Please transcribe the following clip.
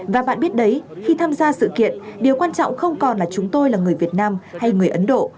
và bạn biết đấy khi tham gia sự kiện điều quan trọng không còn là chúng tôi là người việt nam hay người ấn độ